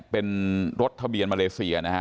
เป็นรถทะเบียนมาเลเซียนะฮะ